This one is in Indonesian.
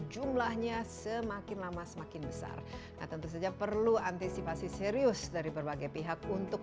jumlahnya semakin lama semakin besar tentu saja perlu antisipasi serius dari berbagai pihak untuk